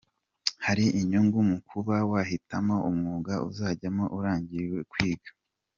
Hari inyungu mu kuba wahitamo umwuga uzajyamo urangije kwiga.